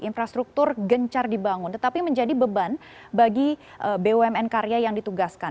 infrastruktur gencar dibangun tetapi menjadi beban bagi bumn karya yang ditugaskan